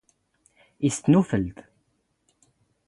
ⵉⵙ ⵜⵏⵓⴼⵍⴷ?